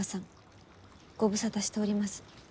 ご無沙汰しております。